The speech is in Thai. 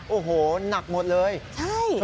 โอ้โหหนักหมดเลยใช่